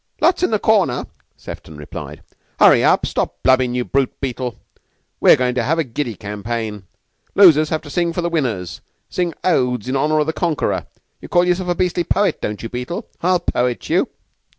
"Lots in the corner," Sefton replied. "Hurry up! Stop blubbin', you brute, Beetle. We're goin' to have a giddy campaign. Losers have to sing for the winners sing odes in honor of the conqueror. You call yourself a beastly poet, don't you, Beetle? I'll poet you."